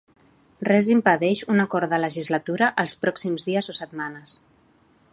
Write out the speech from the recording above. Res impedeix un acord de legislatura els pròxims dies o setmanes.